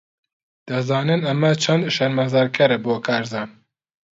دەزانن ئەمە چەند شەرمەزارکەرە بۆ کارزان؟